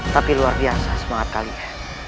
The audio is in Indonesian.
tapi luar biasa semangat kalian